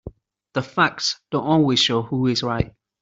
The facts don't always show who is right.